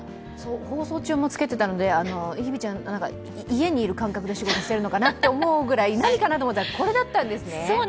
放送中もつけていたので、日比ちゃん、家にいる感覚で仕事しているのかな、何かなと思ったらこれだったんですね。